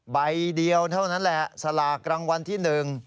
ใบเดียวเท่านั้นแหละสลากรางวัลที่หนึ่ง